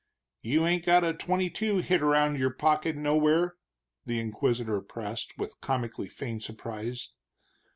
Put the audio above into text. "You ain't got a twenty two hid around in your pocket nowhere?" the inquisitor pressed, with comically feigned surprise.